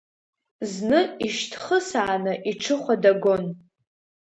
Зны ишьҭхысааны иҽыхәа дагон.